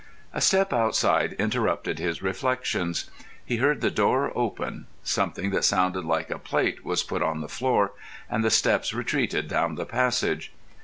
A step outside interrupted his reflections. He heard the door open. Something that sounded like a plate was put on the floor, and the steps retreated down the passage.